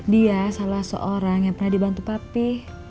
dia salah seorang yang pernah dibantu papi